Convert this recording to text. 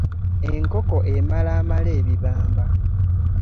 Enkoko emaala emala ebibamba.